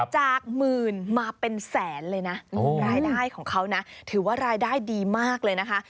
จากหมื่นมาเป็นแสนเลยนะรายได้ของเขานะถือว่ารายได้ดีมากเลยนะคะ